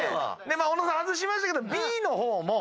尾野さん外しましたけどＢの方も。